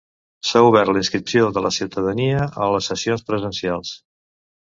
S'ha obert la inscripció de la ciutadania a les sessions presencials.